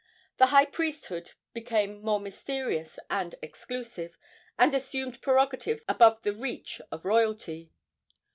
The high priesthood became more mysterious and exclusive, and assumed prerogatives above the reach of royalty.